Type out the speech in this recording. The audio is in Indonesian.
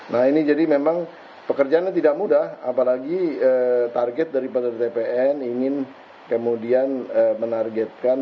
nah ini jadi memang pekerjaannya tidak mudah apalagi target daripada tpn ingin kemudian menargetkan